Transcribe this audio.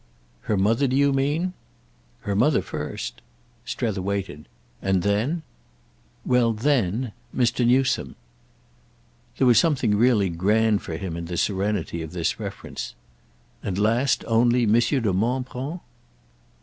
"Her mother, do you mean?" "Her mother first." Strether waited. "And then?" "Well, 'then'—Mr. Newsome." There was something really grand for him in the serenity of this reference. "And last only Monsieur de Montbron?"